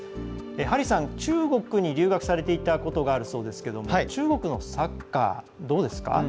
ハリーさん、中国に留学されていたことがあるそうですが中国のサッカー、どうですか？